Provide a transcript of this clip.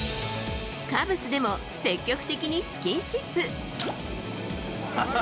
カブスでも積極的にスキンシップ。